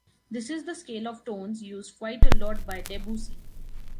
This is the scale of tones used quite a lot by Debussy.